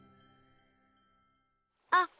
あっ！